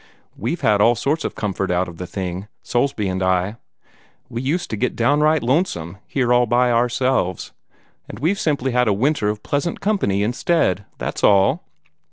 We've had all sorts of comfort out of the thing Soulsby and I. We used to get downright lonesome, here all by ourselves, and we've simply had a winter of pleasant company instead, that s all.